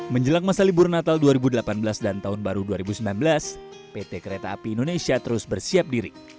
menjelang masa libur natal dua ribu delapan belas dan tahun baru dua ribu sembilan belas pt kereta api indonesia terus bersiap diri